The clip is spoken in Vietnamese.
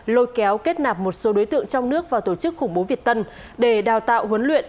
lôi kéo kết nạp một số đối tượng trong nước và tổ chức khủng bố việt tân để đào tạo huấn luyện